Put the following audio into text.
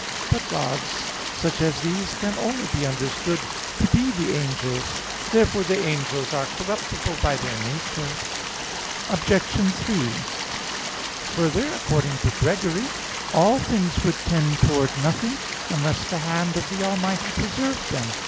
But gods such as these can only be understood to be the angels. Therefore the angels are corruptible by their nature Obj. 3: Further, according to Gregory (Moral. xvi), "all things would tend towards nothing, unless the hand of the Almighty preserved them."